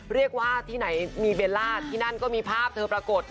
ที่ไหนมีเบลล่าที่นั่นก็มีภาพเธอปรากฏ